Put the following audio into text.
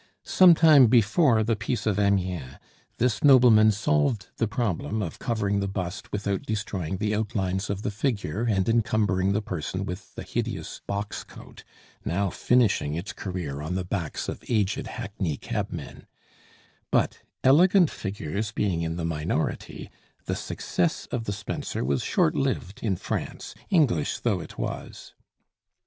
Some time before the Peace of Amiens, this nobleman solved the problem of covering the bust without destroying the outlines of the figure and encumbering the person with the hideous boxcoat, now finishing its career on the backs of aged hackney cabmen; but, elegant figures being in the minority, the success of the spencer was short lived in France, English though it was.